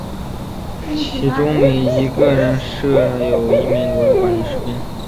其中每一百人设有一名罗苴佐负责管理士兵。